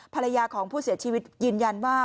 ภรรยาของผู้เสียชีวิตยืนยันว่า